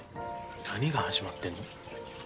何が始まってんの？